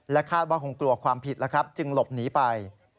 คาดว่าคงกลัวความผิดแล้วครับจึงหลบหนีไป